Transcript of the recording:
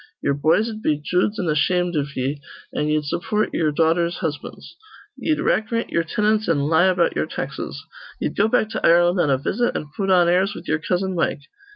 Ye'er boys'd be joods an' ashamed iv ye, an' ye'd support ye'er daughters' husbands. Ye'd rackrint ye'er tinants an' lie about ye'er taxes. Ye'd go back to Ireland on a visit, an' put on airs with ye'er cousin Mike.